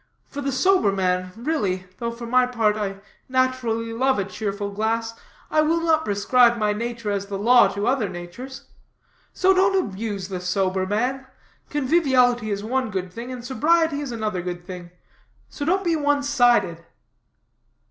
For the sober man, really, though for my part I naturally love a cheerful glass, I will not prescribe my nature as the law to other natures. So don't abuse the sober man. Conviviality is one good thing, and sobriety is another good thing. So don't be one sided."